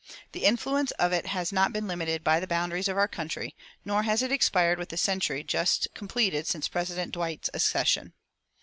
The influence of it has not been limited by the boundaries of our country, nor has it expired with the century just completed since President Dwight's accession.